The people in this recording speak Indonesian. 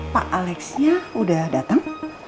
pak alexnya udah dateng